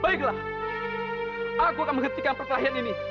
baiklah aku akan menghentikan perkelahian ini